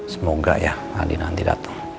semoga ya andi nanti datang